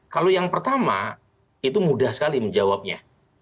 kalau yang pertama itu mudah sekali menjawabnya